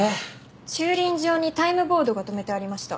駐輪場にタイムボードが止めてありました。